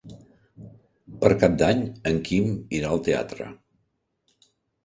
Per Cap d'Any en Quim irà al teatre.